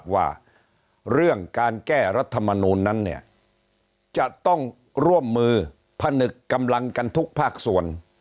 ว่าเรื่องการแก้รัฐมนูลนั้นเนี่ยจะต้องร่วมมือผนึกกำลังกันทุกภาคส่วน